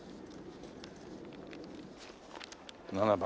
７番。